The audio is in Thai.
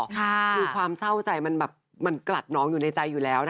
คือความเศร้าใจมันแบบมันกลัดน้องอยู่ในใจอยู่แล้วนะคะ